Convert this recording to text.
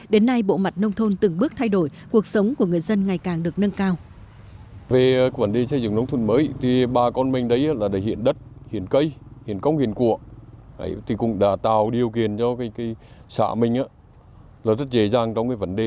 đến nay bộ mặt nông thôn từng bước thay đổi cuộc sống của người dân ngày càng được nâng cao